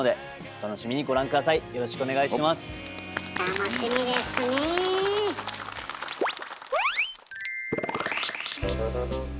楽しみですね。